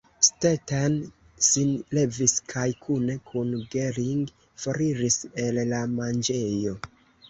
Stetten sin levis kaj kune kun Gering foriris el la manĝejo.